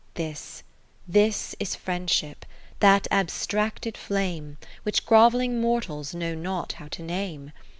This, this is Friendship, that abstracted flame Which grovelling mortals know not how to name.